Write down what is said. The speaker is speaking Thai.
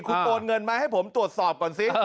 คุณโอนเงินมาให้ผมตรวจสอบก่อนสิ